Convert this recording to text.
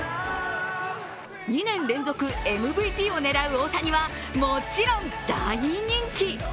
２年連続ＭＶＰを狙う大谷はもちろん、大人気。